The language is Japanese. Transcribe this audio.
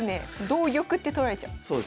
同玉って取られちゃう。